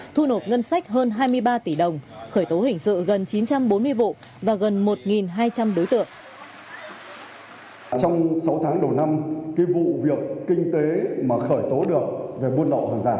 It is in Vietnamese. thu nộp ngân sách hơn hai mươi ba tỷ đồng khởi tố hình sự gần chín trăm bốn mươi vụ và gần một hai trăm linh đối tượng